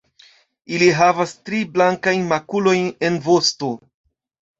Ili havas tri blankajn makulojn en vosto.